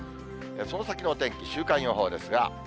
その先のお天気、週間予報ですが。